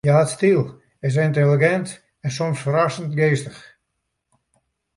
Hja hat styl, is yntelligint en soms ferrassend geastich.